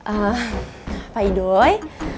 ehm pak idoi